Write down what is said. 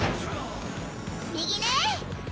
右ね。